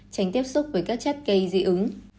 tránh tiếp xúc với các chất gây dị ứng